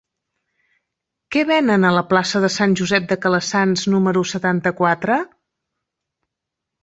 Què venen a la plaça de Sant Josep de Calassanç número setanta-quatre?